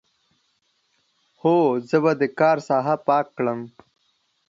هو، زه به د کار ساحه پاک کړم.